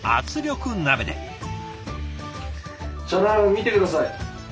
見て下さい。